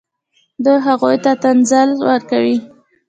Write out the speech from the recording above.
دوی هغوی ته تنزل ورکوي.